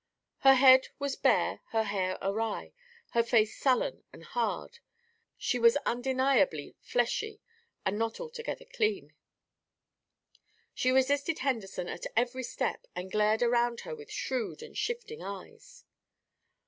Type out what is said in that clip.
Her head was bare, her hair awry, her face sullen and hard; she was undeniably "fleshy" and not altogether clean. She resisted Henderson at every step and glared around her with shrewd and shifting eyes.